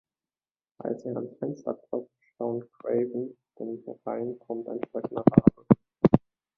Als es ans Fenster klopft, staunt Craven, denn herein kommt ein sprechender Rabe.